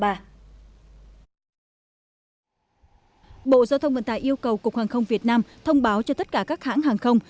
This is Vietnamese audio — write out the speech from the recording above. bộ giao thông vận tải yêu cầu cục hàng không việt nam thông báo cho tất cả các hãng hàng không